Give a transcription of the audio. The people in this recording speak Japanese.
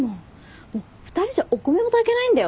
２人じゃお米も炊けないんだよ。